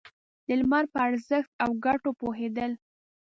د لمر په ارزښت او گټو پوهېدل.